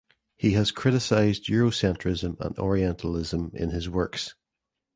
He has criticized Eurocentrism and Orientalism in his works.